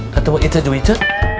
ketemu ica juwice